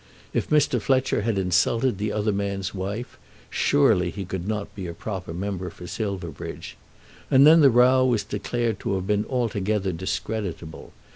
If Mr. Fletcher had insulted the other man's wife, surely he could not be a proper member for Silverbridge. And then the row was declared to have been altogether discreditable.